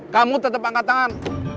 kamu tetep angkat tangan